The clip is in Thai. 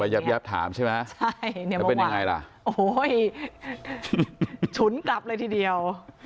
เอาไปแยบถามใช่ไหมเป็นยังไงล่ะโอ้โห้ยฉุนกลับเลยทีเดียว